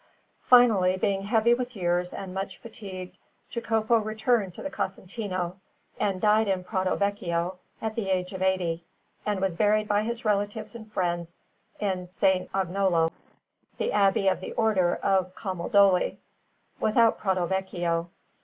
Finally, being heavy with years and much fatigued, Jacopo returned to the Casentino, and died in Pratovecchio at the age of eighty, and was buried by his relatives and friends in S. Agnolo, the Abbey of the Order of Camaldoli, without Pratovecchio.